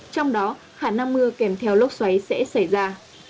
trong đó khả năng mưa kèm theo lốc xoáy sẽ xảy ra